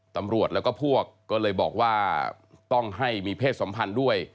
ตำรวจแล้วก็พวกก็เลยบอกว่าต้องให้มีเพศสัมพันธ์ด้วย